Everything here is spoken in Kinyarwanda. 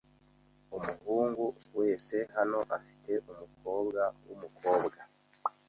Umuhungu wese hano afite umukobwa wumukobwa.